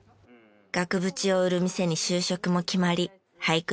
額縁を売る店に就職も決まり俳句